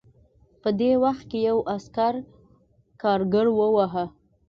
په دې وخت کې یو عسکر کارګر وواهه